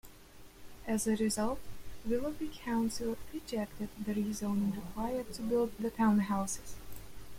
As a result, Willoughby Council rejected the rezoning required to build the townhouses.